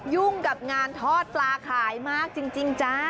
ยุ่งกับงานทอดปลาขายมากจริงจ้า